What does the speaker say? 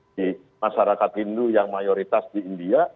di masyarakat hindu yang mayoritas di india